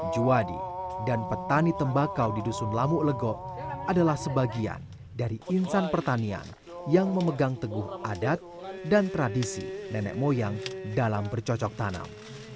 juwadi dan petani tembakau di dusun lamuk legok adalah sebagian dari insan pertanian yang memegang teguh adat dan tradisi nenek moyang dalam bercocok tanam